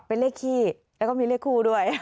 เป็นเลขขี้แล้วก็มีเลขคู่ด้วย